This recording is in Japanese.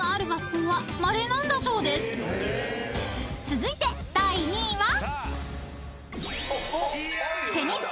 ［続いて第２位は？］